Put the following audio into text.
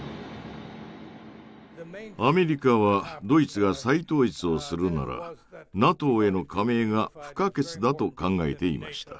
アメリカはドイツが再統一をするならＮＡＴＯへの加盟が不可欠だと考えていました。